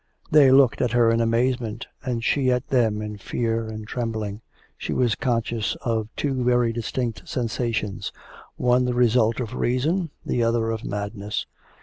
They looked at her in amazement, and she at them in fear and trembling. She was conscious of two very distinct sensations one the result of reason, the other of madness.